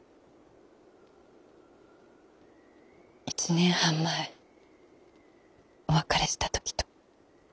１年半前お別れした時と。